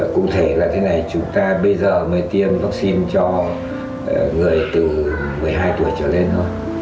cụ thể là thế này chúng ta bây giờ mới tiêm vaccine cho người từ một mươi hai tuổi trở lên thôi